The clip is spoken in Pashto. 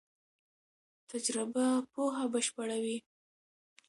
تجربه پوهه بشپړوي.